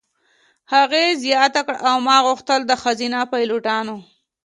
هغې زیاته کړه: "او ما غوښتل د ښځینه پیلوټانو.